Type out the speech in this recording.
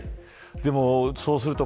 でもそうすると